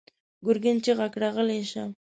ګرګين چيغه کړه: غلی شه!